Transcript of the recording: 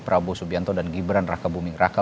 prabowo subianto dan gibran raka buming raka